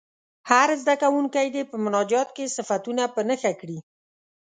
هر زده کوونکی دې په مناجات کې صفتونه په نښه کړي.